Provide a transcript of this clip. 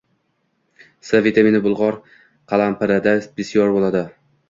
C vitamini bulg‘ori qalampirida bisyor bo‘ladi